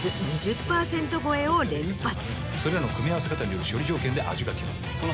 それらの組み合わせ方による処理条件で味が決まる。